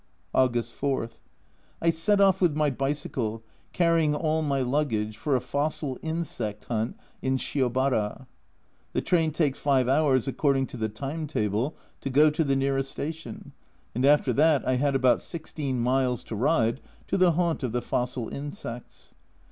August 4. I set off with my bicycle, carrying all my luggage, for a fossil insect hunt in Shiobara. The train takes five hours, according to the time table, to go to the nearest station, and after that I had about 1 6 miles to ride to the haunt of the fossil insects.